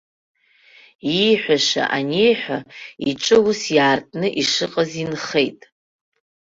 Ииҳәаша аниҳәа, иҿы ус иаартны ишыҟаз инхеит.